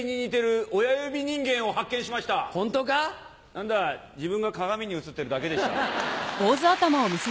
何だ自分が鏡に映ってるだけでした。